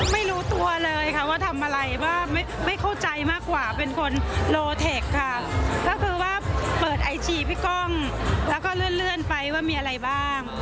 ไม่รู้ตัวเลยค่ะว่าทำอะไรว่าไม่เข้าใจมากกว่าเป็นคนโลเทคค่ะก็คือว่าเปิดไอจีพี่ก้องแล้วก็เลื่อนไปว่ามีอะไรบ้าง